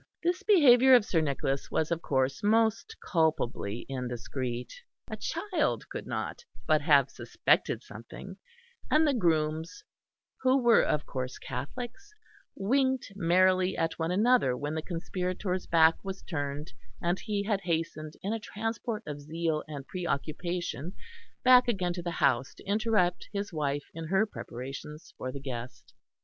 This behaviour of Sir Nicholas' was of course most culpably indiscreet. A child could not but have suspected something, and the grooms, who were of course Catholics, winked merrily at one another when the conspirator's back was turned, and he had hastened in a transport of zeal and preoccupation back again to the house to interrupt his wife in her preparations for the guest.